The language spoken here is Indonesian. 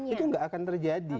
itu nggak akan terjadi